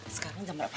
sekarang jam berapa